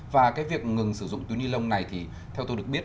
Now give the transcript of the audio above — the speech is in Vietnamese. và cái việc ngừng sử dụng túi ni lông này thì theo tôi được biết